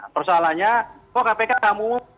persoalannya kok kpk kamu